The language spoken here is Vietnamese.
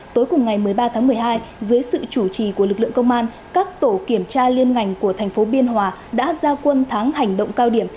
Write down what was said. tối cùng ngày một mươi ba tháng một mươi hai dưới sự chủ trì của lực lượng công an các tổ kiểm tra liên ngành của thành phố biên hòa đã ra quân tháng hành động cao điểm